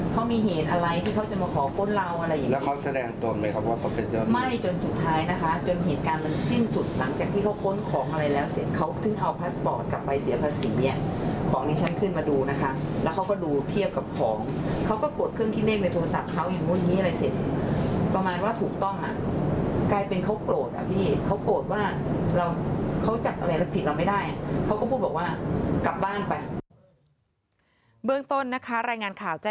เขามีเหตุอะไรที่เขาจะมาขอป้นเราอะไรอย่างนี้แล้วเขาแสดงตัวไหมครับว่าเขาเป็นเจ้าหน้าไม่จนสุดท้ายนะคะจนเหตุการณ์มันสิ้นสุดหลังจากที่เขาป้นของอะไรแล้วเสร็จเขาถึงเอาพาสบอร์ตกลับไปเสียภาษีอ่ะของนี้ฉันขึ้นมาดูนะคะแล้วเขาก็ดูเทียบกับของเขาก็กดเครื่องคิดเลขในโทรศัพท์เขาอย่างนู้นนี้อะไรเสร็จประมาณว่าถ